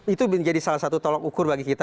itu menjadi salah satu tolok ukur bagi kita